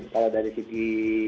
kalau dari segi